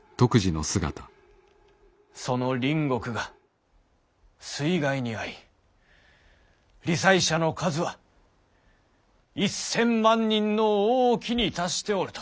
その隣国が水害に遭い罹災者の数は１，０００万人の多きに達しておると報道されております。